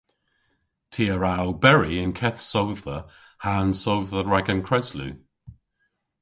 Ty a wra oberi y'n keth sodhva ha'n sodhva rag an kreslu.